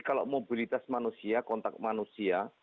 kalau mobilitas manusia kontak manusia